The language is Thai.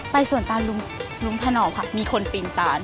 สวนตาลุงถนอมค่ะมีคนปีนตาน